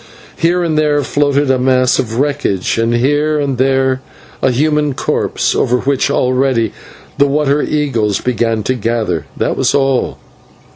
Here and there floated a mass of wreckage, and here and there a human corpse, over which already the water eagles began to gather, and that was all.